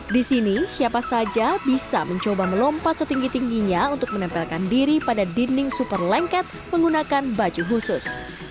di sini siapa saja bisa mencoba melompat setinggi tingginya untuk menempelkan diri pada dinding super lengket menggunakan baju khusus